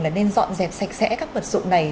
là nên dọn dẹp sạch sẽ các vật dụng này